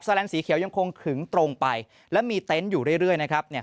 แลนสีเขียวยังคงขึงตรงไปแล้วมีเต็นต์อยู่เรื่อยนะครับ